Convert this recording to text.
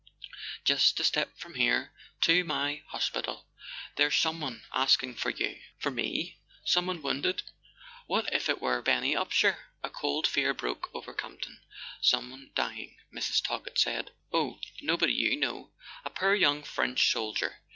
"Just a step from here—to my hospital. There's some¬ one asking for you." "For me? Someone wounded?" What if it were Benny Upsher ? A cold fear broke over Campton. "Someone dying," Mrs. Talkett said. "Oh, nobody you know—a poor young French soldier.